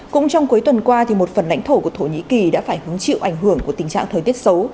cũng trong cuối tuần qua một phần lãnh thổ của thổ nhĩ kỳ đã phải hứng chịu ảnh hưởng của tình trạng thời tiết xấu